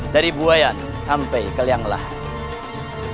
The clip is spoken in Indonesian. dari buaya sampai keliang lahdi